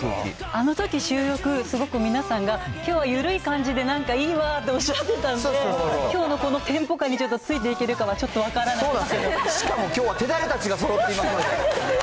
あのとき、すごく皆さんがきょうは緩い感じでなんかいいわっておっしゃってたんで、きょうのこのテンポ感にちょっとついていけるかがちょっと分からそうなんですよ、しかもきょうは手練れたちがそろっていますんで。